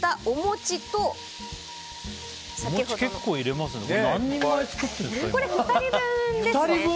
おもち結構入れますね。